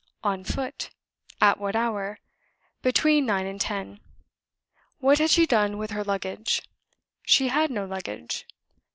On foot. At what hour? Between nine and ten. What had she done with her luggage? She had no luggage.